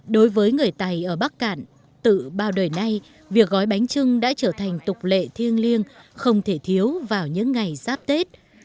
đối với người tày ở bắc cạn từ bao đời nay việc gói bánh trưng đã trở thành tục lệ thiêng liêng không thể thiếu vào những ngày giáp tết